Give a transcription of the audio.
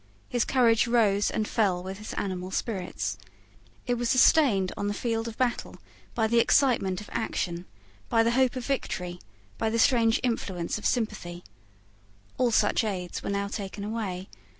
His courage rose and fell with his animal spirits. It was sustained on the field of battle by the excitement of action. By the hope of victory, by the strange influence of sympathy. All such aids were now taken away.